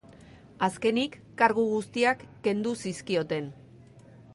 Azkenik kargu guztiak kendu zizkioten.